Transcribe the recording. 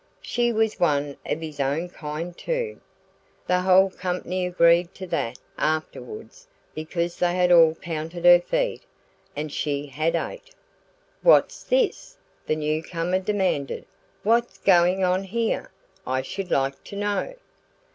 She was one of his own kind, too. The whole company agreed to that, afterwards; because they had all counted her feet. And she had eight. "What's this?" the newcomer demanded. "What's going on here, I should like to know?"